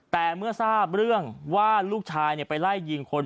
แต่เมื่อทราบเรื่องว่าลูกชายไปไล่ยิงคน